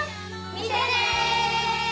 見てね！